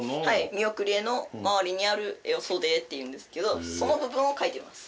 見送り絵の周りにある絵を袖絵っていうんですけどその部分を描いてます。